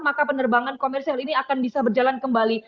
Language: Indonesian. maka penerbangan komersial ini akan bisa berjalan kembali